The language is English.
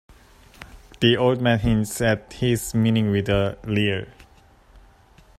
The old man hints at his meaning with a leer.